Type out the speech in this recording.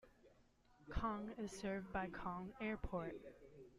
Kang is served by Kang Airport.